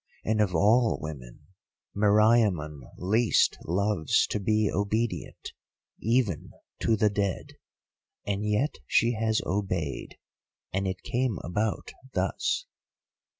And of all women, Meriamun least loves to be obedient, even to the dead. And yet she has obeyed, and it came about thus.